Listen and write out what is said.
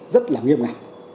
rất là nghiêm ngặt